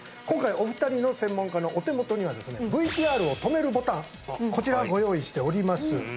今回お二人の専門家のお手元にはですねＶＴＲを止めるボタンこちらをご用意しております